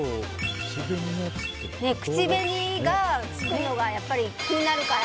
口紅がつくのが気になるから。